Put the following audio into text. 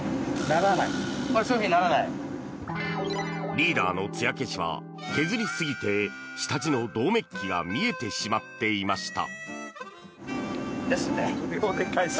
リーダーのつや消しは削りすぎて下地の銅メッキが見えてしまっていました。